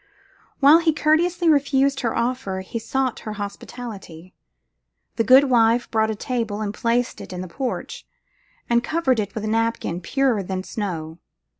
While he courteously refused her offer, he sought her hospitality. The good wife brought a table and placed it in the porch, and covered it with a napkin purer than snow.